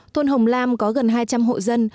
thôn hồng lam có gần hai trăm linh hộ dân